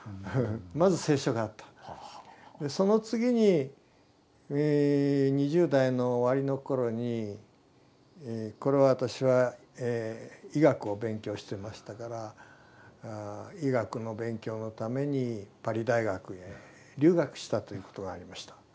その次に２０代の終わりの頃に私は医学を勉強してましたから医学の勉強のためにパリ大学へ留学したということがありました。